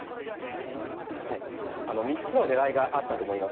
３つの狙いがあったと思います。